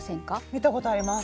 見たことあります。